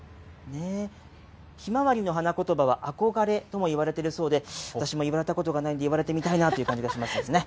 ヒマワリの花言葉は憧れともいわれているそうで、私も言われたことがないので、言われてみたいなという感じがしますね。